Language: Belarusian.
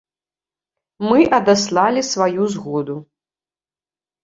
Мы адаслалі сваю згоду.